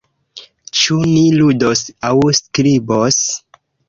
Ĉu ni ludos aŭ skribos?